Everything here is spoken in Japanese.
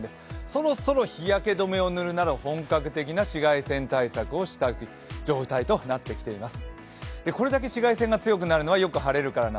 そろそろ日焼け止めを塗るなら本格的な紫外線対策をしたい状態となってきています。